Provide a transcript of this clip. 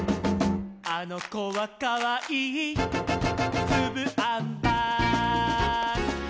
「あのこはかわいいつぶあんパン」「」